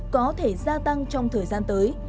có thể gia tăng trong thời gian tới